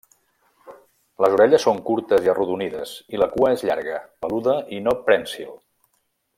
Les orelles són curtes i arrodonides i la cua és llarga, peluda i no prènsil.